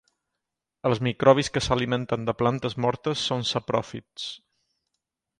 Els microbis que s'alimenten de plantes mortes són sapròfits.